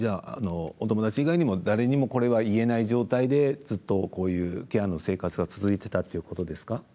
お友達以外にも誰にもこれは言えない状態でずっとケアの生活が続いていたということですか？